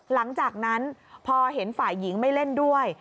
หลังจากนั้นพอเห็นฝ่ายหญิงไม่เล่นด้วย